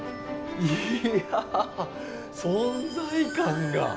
いや存在感が。